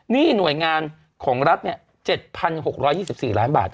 นี่หน่วยงานของรัฐเนี่ย๗๖๒๔ล้านบาท